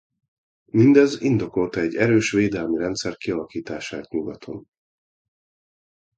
Mindez indokolta egy erős védelmi rendszer kialakítását nyugaton.